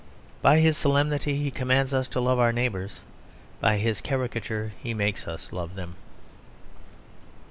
By his solemnity he commands us to love our neighbours. By his caricature he makes us love them.